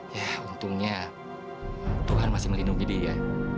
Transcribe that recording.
ya untungnya tuhan masih melindungi dia